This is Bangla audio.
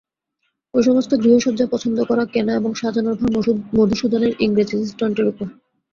এই-সমস্ত গৃহসজ্জা পছন্দকরা, কেনা এবং সাজানোর ভার মধুসূদনের ইংরেজ অ্যাসিস্টান্টের উপর।